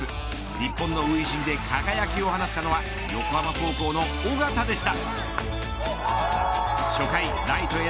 日本の初陣で輝きを放ったのは横浜高校の緒方でした。